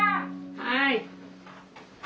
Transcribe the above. はい！